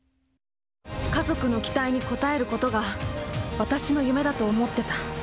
家族の期待に応えることが私の夢だと思ってた。